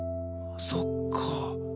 そっかぁ。